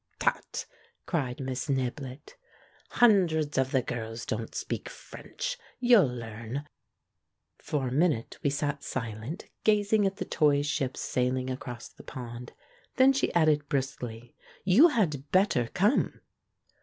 "Tut," cried Miss Niblett. "Hundreds of the girls don't speak French. You'll learn." For a minute we sat silent, gazing at the toy ships sail ing across the pond. Then she added briskly, "You had better come!"